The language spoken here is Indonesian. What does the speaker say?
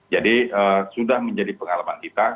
jadi sudah menjadi pengalaman kita